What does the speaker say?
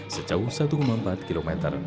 sejauh satu empat km